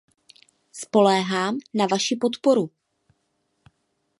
Spoléhám na vaši podporu.